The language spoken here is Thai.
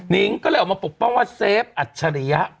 ิ้งก็เลยออกมาปกป้องว่าเซฟอัจฉริยะ